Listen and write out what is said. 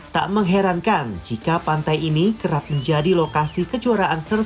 tak mengherankan jika pantai ini kerap menjadi lokasi kejuaraan